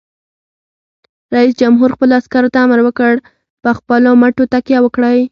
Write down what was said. رئیس جمهور خپلو عسکرو ته امر وکړ؛ په خپلو مټو تکیه وکړئ!